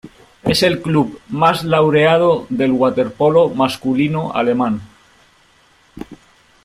Es el club más laureado del waterpolo masculino alemán.